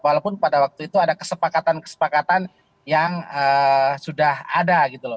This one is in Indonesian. walaupun pada waktu itu ada kesepakatan kesepakatan yang sudah ada gitu loh